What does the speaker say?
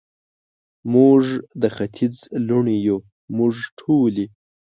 موږ د ختیځ لوڼې یو، موږ ټولې،